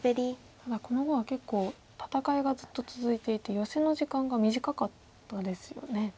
ただこの碁は結構戦いがずっと続いていてヨセの時間が短かったですよね。